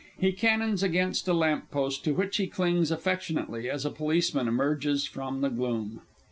(_He cannons against a lamp post, to which he clings affectionately, as a Policeman emerges from the gloom.